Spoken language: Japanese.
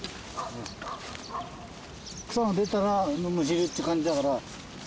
草が出たらむしるって感じだから。